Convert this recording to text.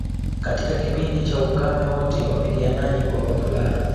Katika kipindi cha ukame wote wapiganaji kwa wavulana